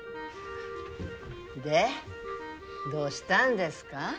でどうしたんですか？